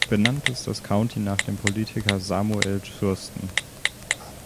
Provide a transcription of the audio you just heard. Benannt ist das County nach dem Politiker Samuel Thurston.